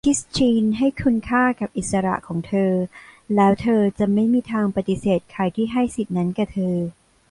คริสทีนให้คุณค่ากับอิสระของเธอ แล้วเธอจะไม่มีทางปฏิเสธใครที่ให้สิทธิ์นั้นแก่เธอ